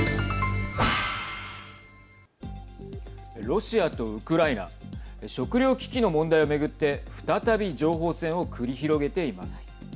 ロシアとウクライナ食料危機の問題を巡って再び情報戦を繰り広げています。